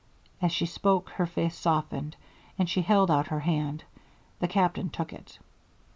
As she spoke her face softened, and she held out her hand. The Captain took it.